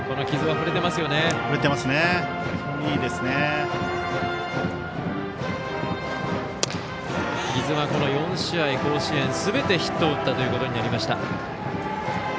木津は４試合、甲子園すべてヒットを打ったということになりました。